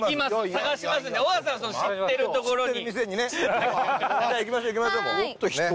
探しますんで尾形さんはその知ってる所に。